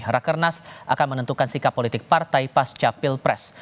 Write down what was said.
rakernas akan menentukan sikap politik partai pas capil pres